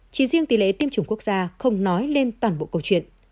chỉ riêng tỷ lệ tiêm chủng quốc gia không nói lên toàn bộ câu chuyện